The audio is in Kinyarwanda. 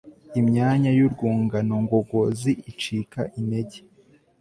imyanya yurwungano ngogozi icika intege